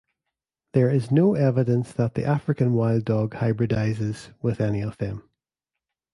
There is no evidence that the African wild dog hybridizes with any of them.